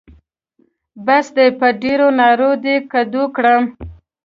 بس دی؛ په ډېرو نارو دې کدو کړم.